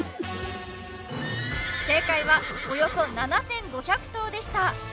正解はおよそ７５００頭でした